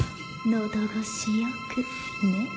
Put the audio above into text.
のどごしよくね。